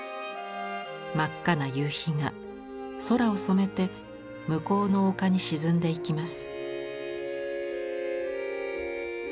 真っ赤な夕日が空を染めて向こうの丘に沈んでいきます。